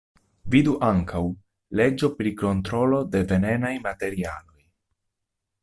Vidu ankaŭ: leĝo pri kontrolo de venenaj materialoj.